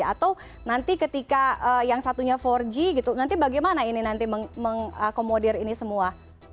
atau nanti ketika yang satunya empat g gitu nanti bagaimana ini nanti mengakomodir ini semua